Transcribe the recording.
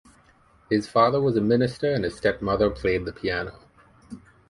His father was a minister and his stepmother played the piano.